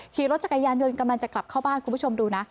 ขี่รถจักรยานยนต์กำลังจะกลับเข้าบ้านคุณผู้ชมดูนะ